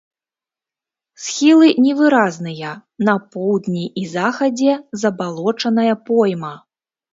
Схілы невыразныя, на поўдні і захадзе забалочаная пойма.